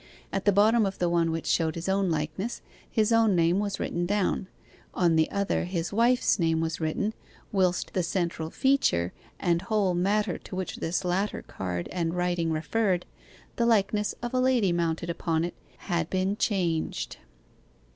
At the bottom of the one which showed his own likeness, his own name was written down; on the other his wife's name was written; whilst the central feature, and whole matter to which this latter card and writing referred, the likeness of a lady mounted upon it, had been changed.